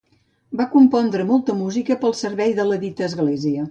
Va compondre molta música pel servei de la dita església.